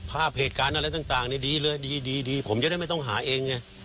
ภาพเหตุการณ์อะไรต่างดีเลยดีผมจะได้ไม่ต้องหาเองไง